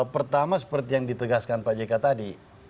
pertama seperti yang ditegaskan pak jk tadi